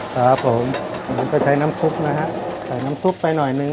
ครับผมผมก็ใช้น้ำซุปนะฮะใส่น้ำซุปไปหน่อยนึง